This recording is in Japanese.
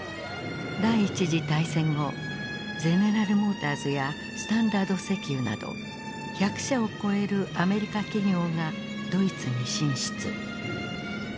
第一次大戦後ゼネラル・モーターズやスタンダード石油など１００社を超えるアメリカ企業がドイツに進出。